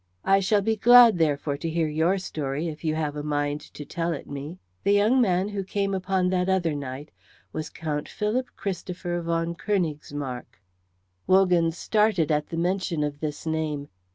I shall be glad, therefore, to hear your story if you have a mind to tell it me. The young man who came upon that other night was Count Philip Christopher von Königsmarck." Wogan started at the mention of this name.